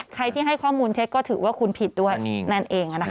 ใครที่ให้ข้อมูลเท็จก็ถือว่าคุณผิดด้วยนั่นเอง